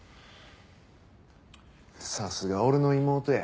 さすが俺の妹や。